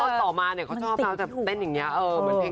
แต่จริงข้อต่อมาเนี่ยเขาชอบนะว่าจะเต้นอย่างเงี้ย